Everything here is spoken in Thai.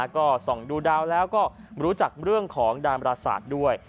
ก็ส่องดูดาวแล้วก็รู้จักเรื่องของดามราศาสตร์ด้วย